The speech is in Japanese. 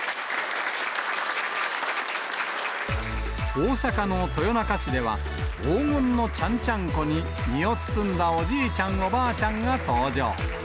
大阪の豊中市では、黄金のちゃんちゃんこに身を包んだおじいちゃんおばあちゃんが登場。